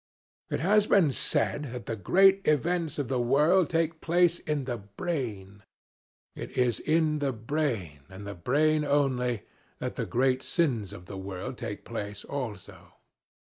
It has been said that the great events of the world take place in the brain. It is in the brain, and the brain only, that the great sins of the world take place also.